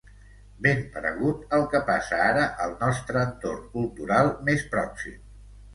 Ben paregut al que passa ara al nostre entorn cultural més pròxim.